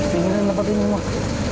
tinggalin lewat sini mak